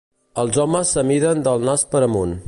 Els homes s'amiden del nas per amunt.